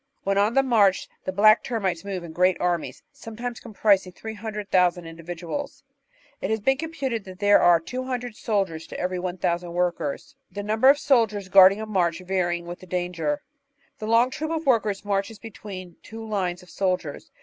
When on the march the Black Termites move in great armies, sometimes comprising 300,000 individuals. It has been computed that there are 200 "soldiers" to every 1,000 workers, the number of soldiers guarding a march varying with the danger. The long troop of workers marches between two lines of soldiers.